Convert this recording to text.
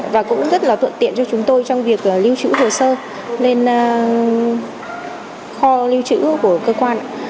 và cũng rất là thuận tiện cho chúng tôi trong việc lưu trữ hồ sơ lên kho lưu trữ của cơ quan